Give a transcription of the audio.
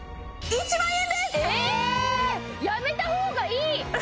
やめた方がいい！